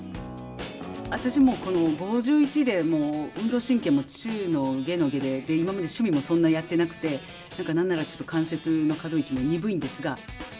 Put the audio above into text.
私５１でもう運動神経も中の下の下で今まで趣味もそんなやってなくて何ならちょっと関節の可動域も鈍いんですが。